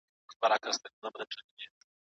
د خاوند او ميرمن تر منځ مفاهمه څنګه ښه کېږي؟